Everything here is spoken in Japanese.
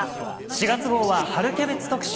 ４月号は春キャベツ特集。